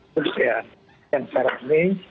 jadi ya yang sekarang ini